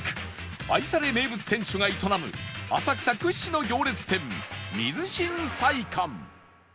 愛され名物店主が営む浅草屈指の行列店水新菜館